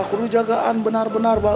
aku perlu jagaan bener bener ya abah